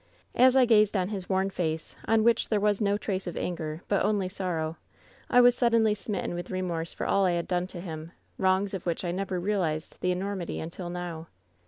As I gazed on his worn face, on which there was no trace of anger, but only sorrow — I was su4d.enly smitten with remorse for all I had done to him ; wrongs of which I never realized the enormity until now.